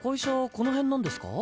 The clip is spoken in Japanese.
この辺なんですか？